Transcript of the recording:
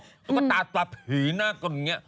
ตุ๊กตาตดดเหลี่ยนหน้ากันเนี้ย